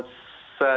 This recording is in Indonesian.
saya tidak tahu